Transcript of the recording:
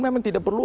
memang tidak perlu